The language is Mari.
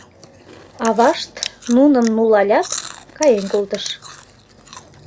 Авашт, нуным нулалят, каен колтыш.